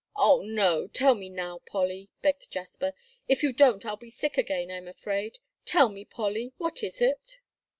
"Oh, no, tell me now, Polly," begged Jasper. "If you don't I'll be sick again, I'm afraid. Tell me, Polly, what is it?"